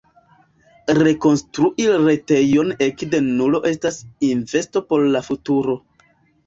Rekonstrui retejon ekde nulo estas investo por la futuro.